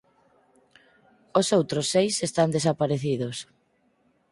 Os outros seis están desaparecidos.